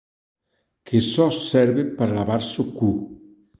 Que só serve para lavarse o cu.